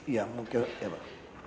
ya mungkin ya pak